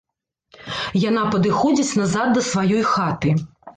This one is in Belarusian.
Яна падыходзіць назад да сваёй хаты.